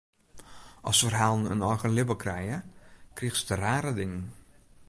As ferhalen in eigen libben krije, krigest rare dingen.